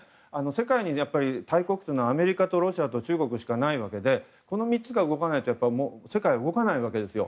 世界に大国はアメリカとロシアと中国しかないのでこの３つが動かないと世界は動かないわけですよ。